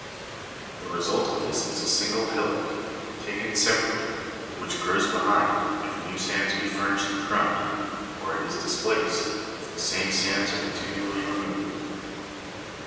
The result of this is a single hillock, a b c, taken sepa rately (fig. "ZOS), which grows behind, if new sands be furnished in front, or it is displaced, if the same sands are continually re moved.